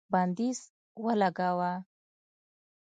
بندیز ولګاوه